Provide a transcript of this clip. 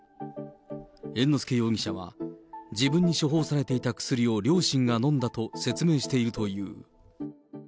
猿之助容疑者は、自分に処方されていた薬を両親が飲んだと説明しているという。